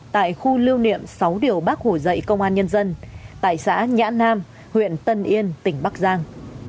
tại khu lưu niệm sáu điều bác hổ dạy công an nhân dân tại xã nhã nam huyện tân yên tỉnh bắc giang